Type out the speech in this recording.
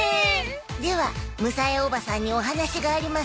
ではむさえおばさんにお話がありますので